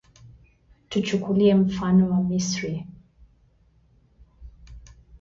Tuchukulie mfano wa Misri